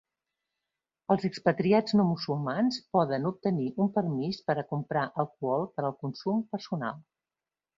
Els expatriats no musulmans poden obtenir un permís per a comprar alcohol per al consum personal.